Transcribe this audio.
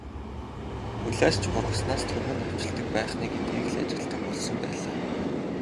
Улиас ч бургаснаас түргэн навчилдаг байх нь ээ гэдгийг л ажигладаг болсон байлаа.